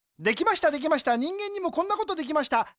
できましたできました人間にもこんなことできました。